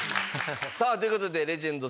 さあという事でレジェンドさん